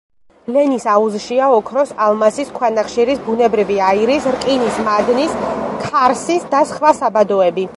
ლენის აუზშია ოქროს, ალმასის, ქვანახშირის, ბუნებრივი აირის, რკინის მადნის, ქარსის და სხვა საბადოები.